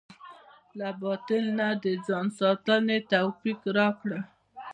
له باطل نه د ځان ساتنې توفيق راکړه.